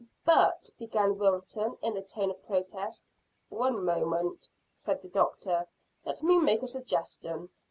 "But " began Wilton, in a tone of protest. "One moment," said the doctor. "Let me make a suggestion.